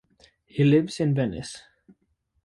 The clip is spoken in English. He lives in Venice.